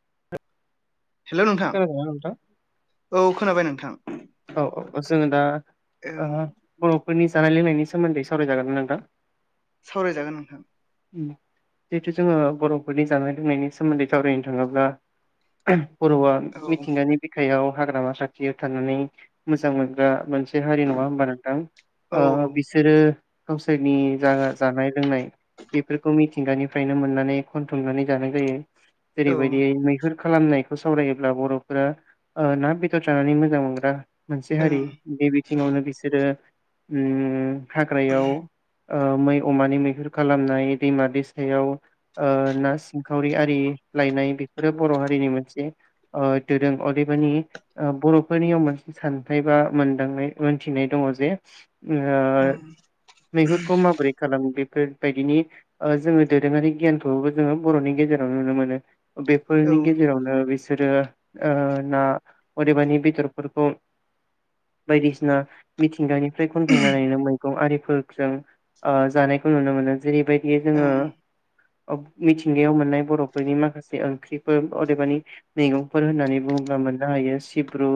[unintelligible] हेल' नोंथां खोनादोंना नोंथां औ खोनाबाय नों औ औ औ जोङो दा ओ ओं औ फोरनि जानाय लोंनायनि सोमोन्दै सावरायजागोन ना नोंथां? सावरायजागोन नोंथां जिहेथु जोङो बर'फोरनि जानाय लोंनायनि सोमोन्दै सावरायनो थाङोब्ला [unintelligible] बर'आ औ मिथिंगानि बिखायाव हाग्रामा खाथियाव थानानै मोजां मोनग्रा मानसि मोनसे हारि नङा होमबा नोंथां औ ओ बिसोरो गावसोरनि जा जानाय-लोंनाय बेफोरखौ मिथिंगानिफ्रायनो मोननानै खनथुमनानै जानाय जायो। औ जेरैबायदियै मैहुर खालामनायखौ सावरायोब्ला बर'फोरा ओ ना बेदर जानानै मोजां मोनग्रा मोनसे ओं हारि बे औ ओं बिथिङावनो बिसोरो उम हाग्रायाव ओ मै अमानि मैहुर खालामनाय दैमा दैसायाव ओ ना सिंखावरि आरि लायनाय बेफोरो बर' हारिनि मोनसे ओ दोरों अदेबानि ओ बर'फोरनि सान्थायाइ बा मोनदांनाय मोनथिनाय दङ जे ओ औ ओं मैहुरखौ माबोरै खालामो बे बेफोरबायदिनि जोङो दोरोङारि गियानखौबो जोङो बर'नि गेजेराव नुनो मोनो बेफोरनि गेजेरावनो बेसे बिसोरो ओ ना अदेबानि बेदरफोरखौ बायदिसिना मिथिंगानि फ्राय खनखांनानैनो मैगं आरि फोरजों ओ जानायखौ नुनो मोनो जेरै बायदि जे जोङो ओ मिथिंगायाव मोननाय बर'फोरनि माखासे ओंख्रिफोर अदेबानि मैगंफोर होननानै बुङोब्ला मोननो हायो सिब्रु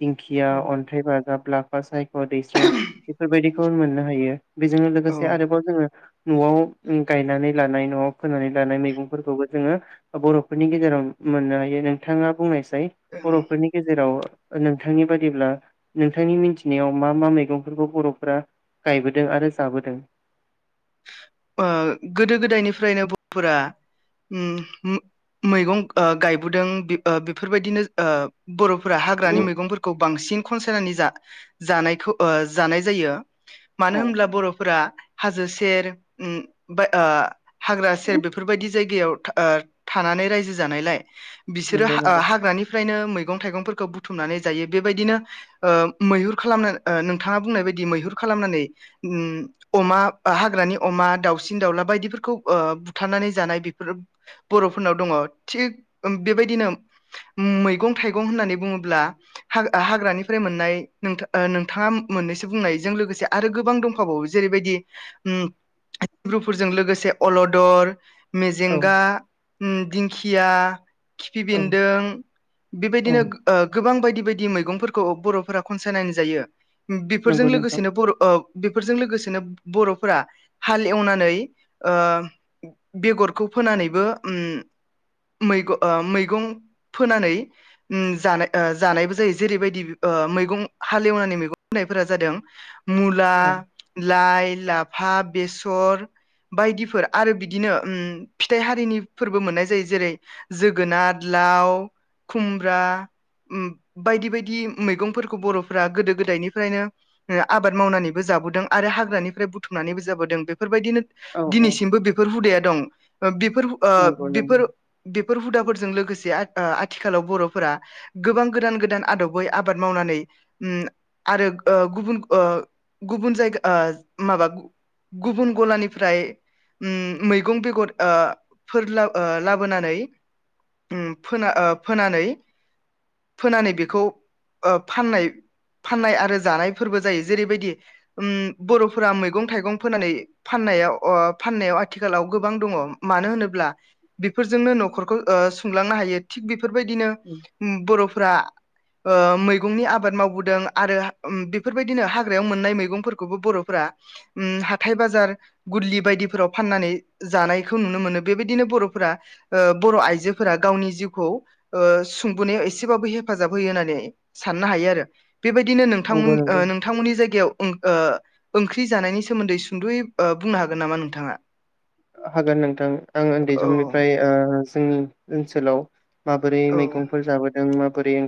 दिंखिया औ अन्थाइ बाजाब्ला फासाय अ दैस्रेम बेफोरबायदि खुन मोननो हायो बेजोंनो लोगोसे औ आरोबाव जोङो न'आव उम गायनानै लानाय न'आव फोनानै लानाय मैगंफोरखौबो जोङो बर'फोरनि गेजेराव मोननो हायो नोंथाङा बुंनायस जाय ओं बर'फोरनि गेजेराव नोंथांनि बादिब्ला नोंथांनि मिनथिनायाव मा मा मैगंफोरखौ बर'फोरा गायबोदों आरो जाबोदों ओ गोदो गोदायनिफ्रायनो बर'फोरा ओमहुम मैगं ओ गायबोदों बि ओ बेफोरबायदिनो ओ बर' फोरा हाग्रानि मैगंफोरखौ बांसिन खनसायनानै जा जानायखौ ओ जानाय जायो औ मानो होमब्ला बर'फोरा हाजो से सेर उम बाय ओ हाग्रा सेर बेफोर बायदि जायगायाव था ओ थानानै रायजो जानायलाय बिसोरो नंगौ हा ओ नंगौ हाग्रानिफ्रायनो मैगं थाइगंफोरखौ बुथुमनानै जायो बेबायदिनो ओ मैहुर खालामनानै ओ नोंथाङा बुंनाय बायदि मैहुर खालामनानै उम अमा ओ हाग्रानि अमा दावसिन दाउला बायदिफोरखौ ओ बुथारनानै जानाय बेफोर बर'फोरनाव दङ थिग बेबायदिनो मैगं थाइगं होननानै बुङोब्ला हा हाग्रानिफ्राय मोननाय नोंथा नोंथाङा मोननैसो बुंनायजों लोगोसे आरो गोबां दंफाबावो जेरैबायदि उम ब्रुफोरजों लोगोसे अलदर औ मेजेंगा उम दिंखिया खिफि औ बेन्दों औ बेबायदिनो ओ गोबां बाय दि ब्रायदि मैगंफोरखौ ओ बर'फोरा खनसायनानै जायो नंगौ बेफोरजों नोंथां लोगोसेनो बर' ओ बेफोरजों लोगोसेनो बर' फोरा हाल एवनानै ओ बेगरखौ फोनानैबो ओम मैग ओ मैगं फोनानै उम जानाय ओ जानायबो जायो जेरैबायदि ओ मैगं हालेवनानै मैगं फोनायफोरा जादों मुला, औ लाइ बिलाब फा बेसर बायदिफोर आरो बिदिनो उम फिथाइ हारिनि फोरबो मोननाय जायो जेरै जोगोनार, लाव, खुमब्रा उम बायदि बायदि मैगंफोरखौ बर'फोरा गोदो गोदायनिफ्रायनो आबाद मावनानैबो जाबोदों आरो हाग्रानिफ्राय बु थुमनानैबो जाबोदों बे फोरबायदिनो औ औ दिनैसिमबो बेफोर हुदाया दं ओ बि फोर ओ नंगौ नंगौ बिफोर बिब फोर हुदाफोरजों लोगोसे आ आथिखालाव बर'फोरा गोबां गोदान गोदान आदबै आबाद मावनानै उम आरो ओ गुबन ओ गुबुन जाय माबा गुबुन गलानिफ्राय उम मैगं बेगर ओ फोरला ओ लाबोनानै फोना ओ फोनानै फोनानै बेखौ ओ फाननाय फाननाय आरो जानाय फोरबो जायो जेरैबायदि उम बर'फोरा मेगं थाइगं फोनानै फाननायाव अ फाननायाव आथिखालाव गोबां दङ मानो होनोब्ला बेफोरजोंनो न'खरखौ ओ सुंलांनो हायो थिग बि फोर बायदिनो बरफ फोरा ओ मैगंनि आबाद मावबोदों आरो बेफोर बायदिनो हाग्रायाव मोननाय मैगंफोरखौबो बर'फोरा उम हाथाय बाजार गोरलि बायदिफोराव फाननानै जानायखौ नुनो मोनो बेबायदिनो बर'फोरा ओ बर' आइजोफोरा गावनि जिउखौ ओ सुंबोनायाव एसेबाबो हेफाजाब होयो होननानै साननो हायो आरो। बेबायदिनो नंगौ नोंथांमोन ओ नंगौ नोंथांमोननि जायगायाव ओम ओ ओंख्रि जानायनि सोमोन्दै सुंद'यै ओ बुंनो हागोन नामा नोंथाङा? हागोन नोंथां आं उन्दै औ समनिफ्राय ओ जोंनि ओनसोलाव माबोरै औ मैगंफोर जाबोदों मा बोरै ओं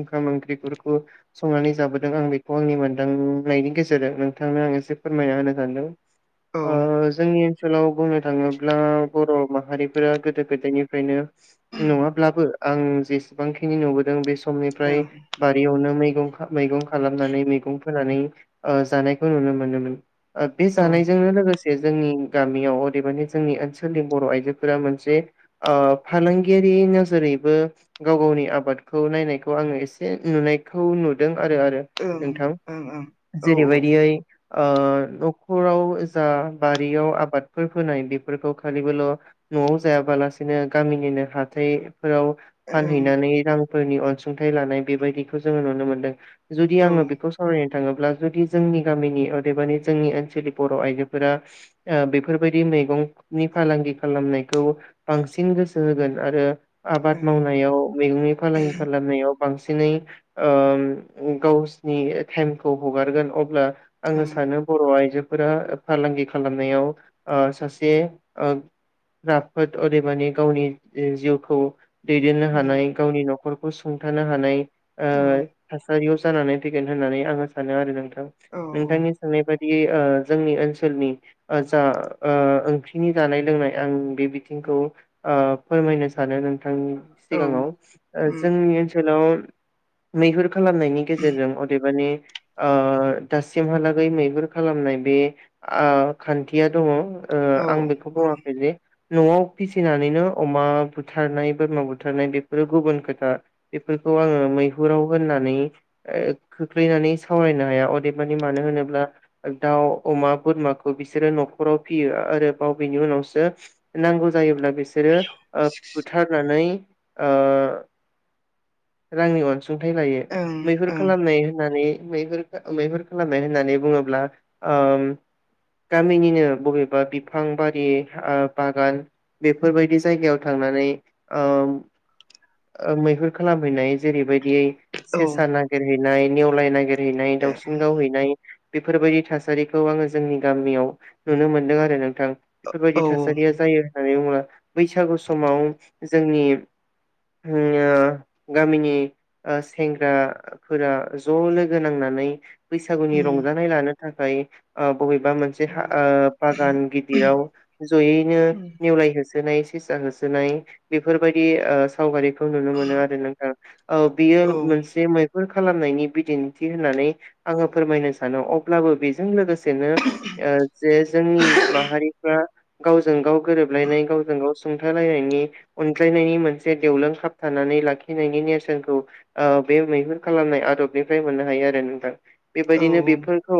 ओंखाम ओंख्रि गुरखौ संनानै जाबोदों आं बेखौ आंनि मोन्दांनायनि गेजेरजों नोंथांनो आं एसे फोरमायना होनो सानदों औ ‌ ओ जोंनि ओनसोलाव बुंनो थाङोब्ला बर' माहारिफोरा गोदो गोदायनिफ्रायनो नङाब्लाबो आं जेसेबांखिनि नुबोदों बे सम समनिफ्राय ओं बारियावनो मै गं मैगं खालामनानै मैगं फोनानै ओ जानायखौ नुनो मोनोमोन। बे औ ओं जानायजोंनो लोगोसे जे जों गामियाव अदेबानि जोंनि ओनसोलनि बर' आइजोफोरा मोनसे ओ फालांगियारि नोजोरैबो गाव गावनि आबादखौ नायनायखौ आङो एसे नुनायखौ नुदों। आरो आरो ओं नोंथां ओं औ औ ओं जेरैबायदियै ओ न'खराव जा बारियाव आब आबादफोर फोनाय बेफोरखौ खालिबोल' न'आव जायाबालासिनो गामिनिनो हाथाय फोराव फानहैनानै रां फोरनि अनसुंथाइ लानाय बेबायदिखौ जोङो नुनो मोनदों। जुदि औ आङो बेखौ सावराय थाङोब्ला जु जोंनि गामिनि जोंनि ओनसोलनि बर' आइजोफोरा बेफोरबायदि मैगंनि फालांगि खालामनायखौ बांसिन गोसो होगोन आरो। आबाद ओं मावनायाव मैगंनि फालांगि खालामनायाव बांसिनै ओ गावसिनि टाइमखौ हगारगोन अब्ला। औ आङो सानो बर' आइजो फोरा फालांगि खालामनायाव ओ सासे ओ राफोद अदेमानि गावनि जिउखौ दैदेननो उम, हानाय गावनि न' न'खरखौ सुंथानो हानाय ओ औ थासारि जानानै फैगोन होननानै आङो सानो आरो नोंथां। औ नोंथांनि सोंनाय बे ओ जोंनि ओनसोलनि ओ जा ओ ओंख्रिनि जानाय लोंनाय आं बे बिथिंखौ फोरमायनो सानो। नि औ सिगाङाव ओ उम, जोंनि ओनसोलाव मैहुर खालामनायनि उम, गेजेरजों अदेबानि ओ दासिमहालागै मैहुर खालामनाय बे खान्थिया दङ ओ औ आं बेखौ औ ओं बुङाखै जे न'आव फिसिनानैनो अमा बुथारनाय बोरमा बुथारनाय बेफोरो गुबुन खोथा बेफोरखौ आङो मैहुराव होननानै ओ खोख्लैनानै सावरायनो हाया अदेबानि मानो होनोब्ला दाउ अमा बोरमाखौ बिसोरो न' न'खाव फियो आरो बावबनि उनावसो नांगौ जायोब्ला बिसोरो ओ बुथारनानै आ रांनि अनसुं अनसुंथाइ लायो मैहुर ओं खालामनाय होननानै मैहुर खालामनाय होननानै बुङोब्ला ओ गामिनिनो बबेबा बिफां बारि बागान बेफोरबायदि जायगायाव थांनानै ओ मैह खालामहैनाय जेरै बायदि औ सेेसा ना [unintelligible] नाय नेवलाय नागिरनाय हैनाय दे दावसिन गावहैनाय बेफोरबायदि थासारिखौ आङो जोंनि गामियाव नुनो मोनदों आरो नों गोथां बेफोर औ बायदि थासारिया जायो। होननानै बुङोब्ला बैसागु समाव जोंनि ओ गामिनि सेंग्राफोरा ज' लोगो नांनानै बैसागुनि उम, रंजानाय लानो थाखाय आ बबेबा मोनसे औ औ ओ बागान उम, गिदिराव ज'यैनो उम, नेवलाय हो होनाय सेसा होसोनाय बेफोर बायदि सावगारि खौ‌‌ नुनो आरो औ‌ बियो औ मोनसे बे खालामनायनि बिदिन्थि होननानै आङो फोरमायनो सानो अब्लाबो बेजों लोगोसे बेनो जे जोंनि माहारिफ्रा गावजों गाव गोरोबलायनाय गावजों गाव सुंथालायनायनि अनज्लायनायनि मोनसे देवलों खाबथानानै लाखि फैनायनि नेरसोनखौ ओ बे मैहुर खालामनाय आदबनिफ्राय मोननो हायो आरो नोंथां। बेबायदिनो ओं, बेफोरखौ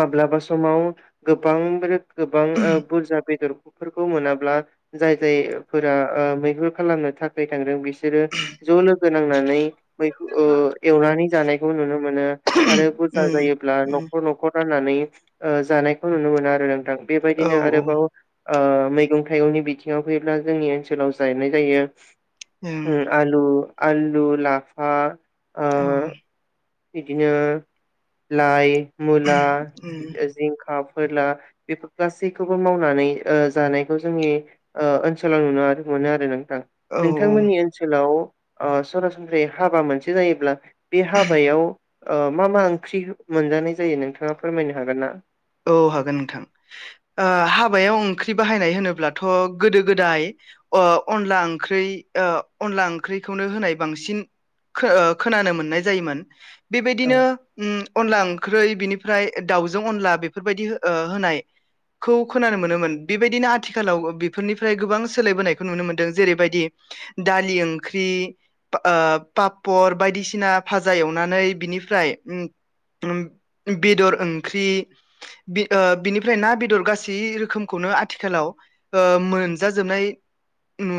माब्लाबा समाव गोबां रो गोबां ओ बुरजा बेदरफोरखौ मोनाब्ला जाय जाय फोरा ओ मैहुर खालामनो थाखाय थांदों बिसोरो गो नांनानै मै ओ एवनानै जानाय खो नुनो मो मोनो औ आरो बुरजा उम, जायोब्ला न'खर न'खर नानै ओ जानायखौ नुनो मोनो आरो ओ औ बेबायदिनो आरोबाव ओ मैगं थाइगंनि बिथिङाव फैयोब्ला जोंनि ओनसोलाव जायनाय जायो ओम ओ आलु, लाफा ओ औ बिदिनो लाइ मुला जि जिंखा फोरला बेफोर गासैखौबो मावनानै ओ जानायखौ जोंनि ओ ओनसोलाव नुनो आरो मोनो आरो नों औ नोंथांमोननि ओनसोलाव ओ सरासनस्रायै हाबा मोनसे जायोब्ला बे हा ओ मा मा ओंख्रि मोनजानाय जायो नोंथाङा फोरमायनो हागोन ना? औ हागोन नोंथां ओ हाबायाव ओंख्रि बाहायनाय होनोब्लाथ' गोदो गोदाय ओ अनला ओंख्रै ओ अनला ओंख्रैखौनो होनाय बांसिन खो ओ खोनानो मोननाय जायोमोन औ बेबायदिनो ओम अनला ओंख्रै बिनिफ्राय दाउजों अनला बे फोरबायदि ओ होनाय खौ खोनानो मोनोमोन आथिखालाव बेफोरनिफ्राय गोबां सोलायबोनायखौ नुनो मोनदों जेरैबायदि दालि ओंख्रि ओ पापर बायदिसिना भाजा एवनानै बिनिफ्राय ओम ओम बेदर ओंख्रि बे ओ बिनिफ्राय ना बेदर गासै रोखोमखौनो आथिखालाव ओ मोनजाजोबनाय नु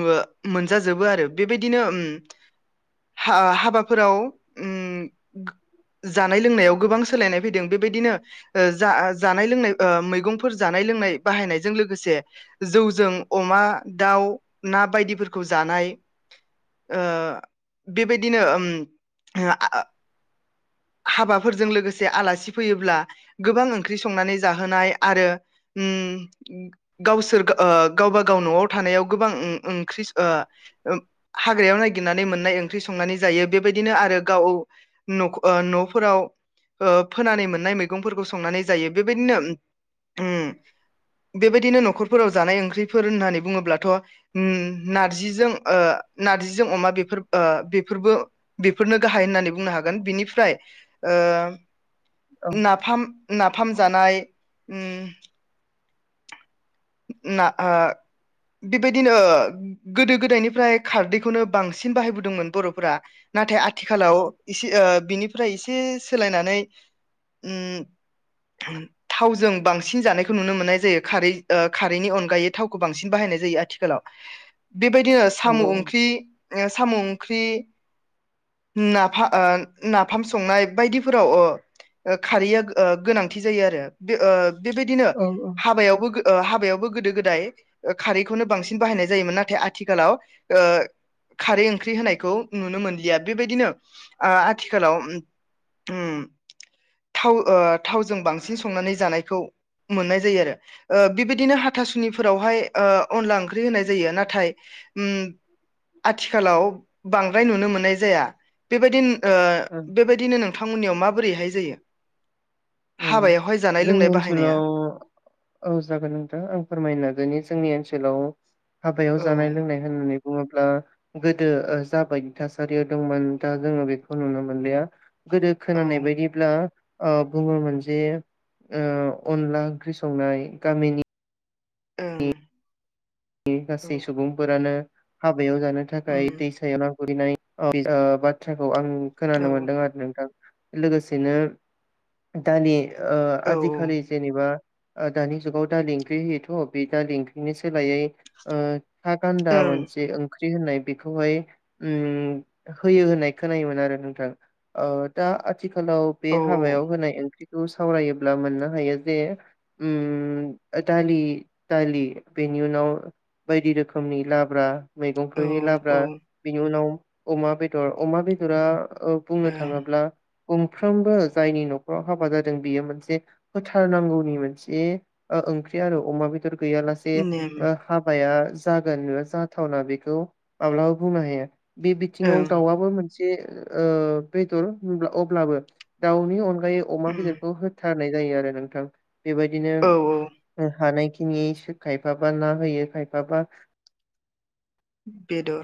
मोनजाजोबो आरो बेबादिनो ओम हा हाबाफोराव ओम गो जानाय लोंनायाव गोबां सोलायनाय फैदों बेबायदिनो ओ जा जानाय लोंनाय ओ मैगंफोर जानाय लोंनाय बाहायनायजों लोगोसे जौजों अमा दाउ ना बायदिफोरखौ जानाय ओ बेबायदिनो ओम आ हाबाफोरजों लोगोसे आलासि फैयोब्ला गोबां ओंख्रि संनानै जाहोनाय आरो उम गावसोर ओ गावब गाव न'आव थानायाव गोबां ओ ओंख्रि ओ हाग्रायाव नायगिरनानै मोननाय ओंख्रि संनानै जायो बेबायदिनो आरो गाव न'खौ ओ न 'फोराव ओ फोनानै मोननाय मैगंफोरखौ संनानै जायो बेबायदिनो ओम बेबायदिनो न'खरफोराव जानाय ओंख्रिफोर होननानै बुङोब्लाथ' ओम नारजिजों ओ नारजिजों अमा बेफोर ओ बेफोरबो बेफोरनो गाहाय होननानै बुंनो हागोन बिनिफ फाय ओ औ नाफाम नाफ फाम जानाय ओम ना ओ बेबायदिनो ओ गोदो गोदायनिफ्राय खारदैखौनो बांसिन बाहायबोदोंमोन बर'फोरा नाथाय आ थिखालाव औ एसे ओ बिनिफ्राय एसे एसे सोलायनानै ओम थावजों बांसिन जानायखौ नुनो मोननाय जायो खारै खारैनि अनगायै थावखौ बांसिन बाहायनाय जायो आथिखालाव बेबायदिनो साम' नंगौ ओंख्रि ओ साम' ओंख्रि नाफा ओ नाफाम संनाय बायदिफोराव ओ ओ खारैया ओ गोनांथि जायो आरो बे ओ बेबायदिनो औ औ हाबायावबो गो ओ हाबायावबो गोदो गोदाय ओ खारैखौनो बांसिन बाहायनाय जायोमोन नाथाय आथिखालाव ओ खारै ओंख्रि होनायखौ नुनो मोनलिया बेबायदिनो आ आथिखालाव ओम थाव ओ थावजों बांसिन संनानै जानायखौ मोननाय जायो आरो ओ बिबायदिनो हाथुनिफोरावहाय अनला ओंख्रि होनाय जायो नाथाय ओम आथिखालाव बांद्राय नुनो मोननाय जाया बेबायदिन ओ ओं बेबायदिनो नोंथांमोननियाव मा बोरैहाय जायो? ओम हाबायावहाय जानाय जोंनि लोंनाय बाहायनाया ओनसोलाव औ जागोन नोंथां आं फोरमायनो नाजानि जोंनि ओनसोलाव हाबायाव औ जानाय लोंनाय होननानै बुङोब्ला गोदो ओ जाबायदि थासारियाव दंमोन दा जोङो बेखौ नुनो मोनलिया। गोदो औ खोनानाय बायदिब्ला ओ गुबुन मोनसे ओ अनला ओंख्रि संनाय गामिनि ओं नि औ गासै सुबुंफोरानो बेयाव जानो थाखाय उम दैसाया [inaudible] बाथ्राखौ आं औ खोनानो मोन्दों आरो नोंथां। लोगोसेनो दानि ओ औ आजिखालि जेनिबा ओ दानि जुगाव दालि ओंख्रि होयोथ' बे दालि ओंख्रिनि सोलायै ओ था गान्दा ओं मोनसे ओं ख्रि होननाय बेखौहाय ओम होयो होननाय खोनायोमोन आरो नोंथां ओ दा आथ थिखालाव बे औ हाबायाव होनाय ओख्रि खौ सावरायोब्ला मोननो हायो जे उम दालि दालि बेनि उनाव बायदि रोखोमनि लाब्रा औ मैगंफोरनि लाब्रा औ बिनि उनाव अमा बेदर अमा बेदरा ओ बुंनो ओं थाङोब्ला गंफ्रोमबो जायनि न'खराव हाबा जादों बेयो मोनसे होथारनांगौनि मोनसे ओ ओंख्रि आरो अमा बे दर गैयालासे नेम ओ या जागोन एबा जाथावना बेखौ माब्लाबा बुंनो हाया। बे ओं बिथिङाव दाउआबो मोन से ओ बेदर होमबा अब्लाबो दाउनि अन गायै अमा उम बेदरखौ होथार नाय जायो आरो नोंथां। बेबायदिनो औ औ हानायखि नि खायफाबा ना होयो खायफाबा बेदर